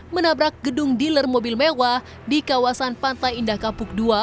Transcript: menabrak gedung dealer mobil mewah di kawasan pantai indah kapuk ii